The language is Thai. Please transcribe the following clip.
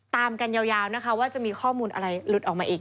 ตามกันยาวนะคะว่าจะมีข้อมูลอะไรหลุดออกมาอีก